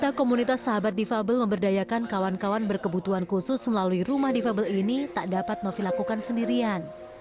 cita cita komunitas sahabat di fabel memberdayakan kawankawan berkebutuhan khusus melalui rumah di fabel ini tak dapat novi lakukan sendirian